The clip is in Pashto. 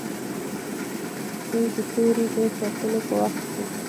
روي د توري د ټاکلو په وخت کې.